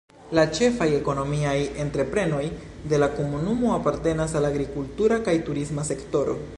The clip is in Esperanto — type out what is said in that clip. La ĉefaj ekonomiaj entreprenoj de la komunumo apartenas al la agrikultura kaj turisma sektoro.